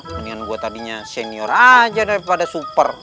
mendingan gue tadinya senior aja daripada super